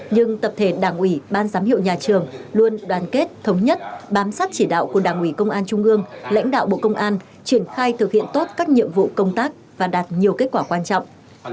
nhưng tập thể đảng ủy ban giám hiệu nhà trường luôn đoàn kết thống nhất bám sát chỉ đạo của đảng ủy công an trung ương lãnh đạo bộ công an triển khai thực hiện tốt các nhiệm vụ công tác và đạt nhiều kết quả quan trọng